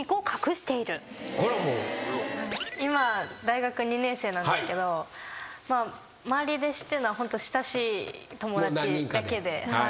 今大学２年生なんですけど周りで知ってるのは親しい友達だけで。